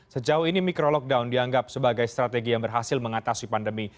sejauh ini micro lockdown dianggap sebagai strategi yang berhasil mengatasi pandemi